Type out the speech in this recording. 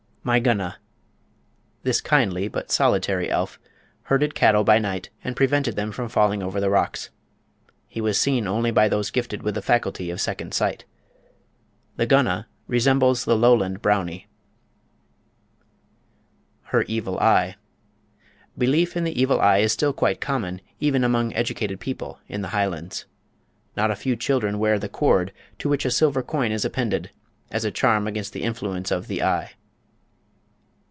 My Gunna. This kindly, but solitary, elf herded cattle by night, and prevented them from falling over the rocks. He was seen only by those gifted with the faculty of "second sight." The Gunna resembles the Lowland "Brownie." Her Evil Eye. Belief in the Evil Eye is still quite common, even among educated people, in the Highlands. Not a few children wear "the cord," to which a silver coin is appended, as a charm against the influence of "the eye."